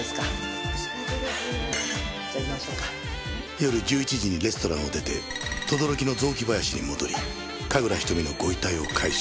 夜１１時にレストランを出て等々力の雑木林に戻り神楽瞳のご遺体を回収。